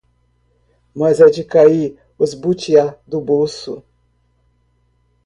Mas é de cair os butiá do bolso!